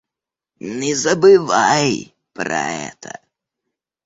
Не забывай про это.